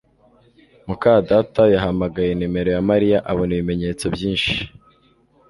muka data yahamagaye nimero ya Mariya abona ibimenyetso byinshi